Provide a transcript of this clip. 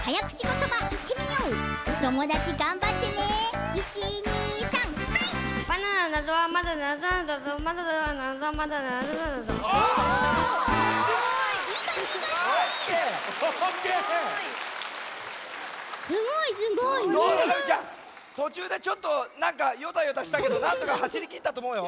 とちゅうでちょっとなんかよたよたしたけどなんとかはしりきったとおもうよ。